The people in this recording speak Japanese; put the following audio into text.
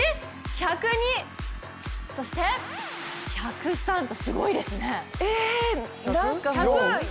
１０１、１０２、そして１０３とすごいですね。